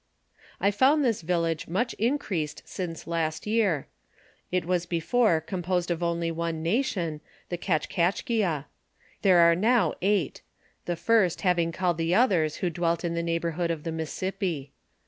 I found this village much increased since last year. It was before composed of only one nation, the Kachkachkia. There are now eight ; the first having called the others who dwelt in the neighborhood of the Missipi.